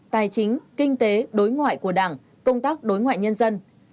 tài chính kinh tế đối ngoại của đảng công tác đối ngoại nhân dân